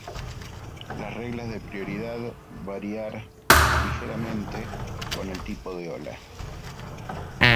Las reglas de prioridad variar ligeramente con el tipo de ola.